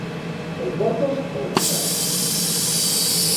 Ou portos, ou estradas.